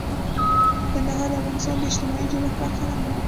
کندهار د افغانستان د اجتماعي جوړښت برخه ده.